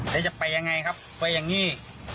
แล้วจะไปยังไงครับไปอย่างนี้